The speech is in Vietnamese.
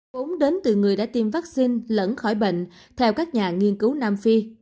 gốm đến từ người đã tiêm vaccine lẫn khỏi bệnh theo các nhà nghiên cứu nam phi